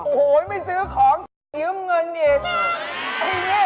โรหยไม่ซื้อของเหี้ยมเงินเนล